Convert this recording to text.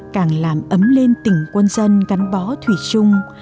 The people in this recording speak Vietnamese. càng làm ấm lên tỉnh quân dân gắn bó thủy chung